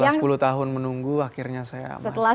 setelah sepuluh tahun menunggu akhirnya saya emas